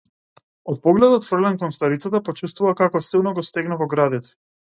Од погледот фрлен кон старицата, почувствува како силно го стегна во градите.